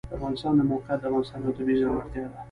د افغانستان د موقعیت د افغانستان یوه طبیعي ځانګړتیا ده.